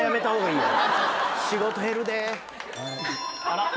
あら。